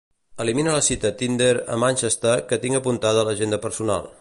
Eliminar la cita Tinder a Manchester que tinc apuntada a l'agenda personal.